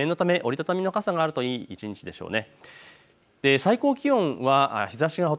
念のため折り畳みの傘があるといい一日でしょうね。